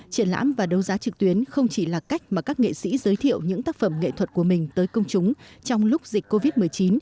triển lãm và đấu giá trực tuyến không chỉ là cách mà các nghệ sĩ giới thiệu những tác phẩm nghệ thuật của mình tới công chúng trong lúc dịch covid một mươi chín